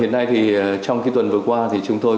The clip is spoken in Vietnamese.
hiện nay thì trong cái tuần vừa qua thì chúng tôi